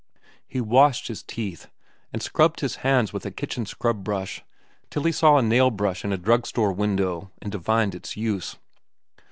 He washed his teeth, and scrubbed his hands with a kitchen scrub brush till he saw a nail brush in a drug store window and divined its use.